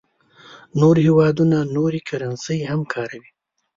نور هېوادونه نورې کرنسۍ هم کاروي.